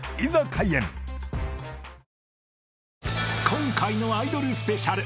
［今回のアイドルスペシャル